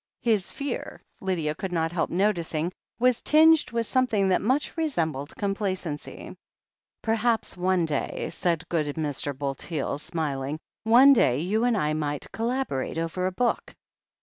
His fear, Lydia could not help noticing, was tinged with something that much resembled complacency. "Perhaps, one day," said good Mr. Bulteel, smiling, "one day, you and I might collaborate over a book."